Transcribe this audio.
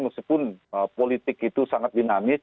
meskipun politik itu sangat dinamis